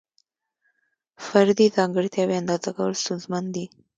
فردي ځانګړتیاوې اندازه کول ستونزمن دي.